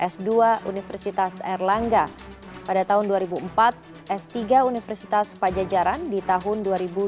s dua universitas erlangga pada tahun dua ribu empat s tiga universitas pajajaran di tahun dua ribu dua puluh